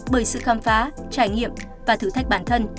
bởi sự khám phá trải nghiệm và thử thách bản thân